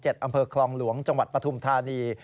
อำเภอคลองหลวงจังหวัดปฐุมธานี